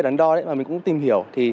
sau khi tìm hiểu xong mình cũng tìm hiểu